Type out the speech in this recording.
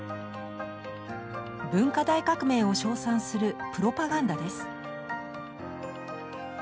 文化大革命を称賛するプロパガンダです。